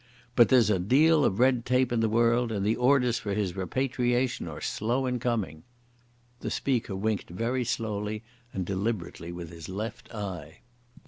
But there's a deal of red tape in the world, and the orders for his repatriation are slow in coming." The speaker winked very slowly and deliberately with his left eye.